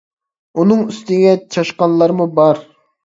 ئۇنىڭ ئۈستىگە چاشقانلارمۇ بار .